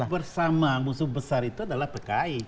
musuh bersama musuh besar itu adalah pekai